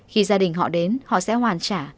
khi gia đình họ đến họ sẽ hoàn trả